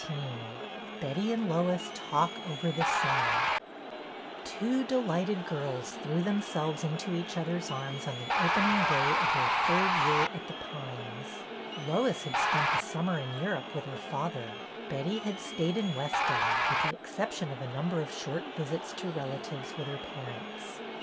17 XIX BETTY AND LOIS TALK OVER THE SUMMER T WO delighted girls threw themselves into each other's arms on the open ing day of their third year at The Pines. Lois had spent the summer in Europe with her father; Betty had stayed in Weston, with the exception of a number of short visits to relatives with her parents.